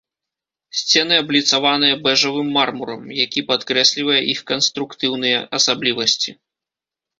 Сцены абліцаваныя бэжавым мармурам, які падкрэслівае іх канструктыўныя асаблівасці.